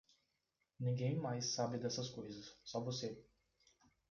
Ninguém mais sabe dessas coisas, só você.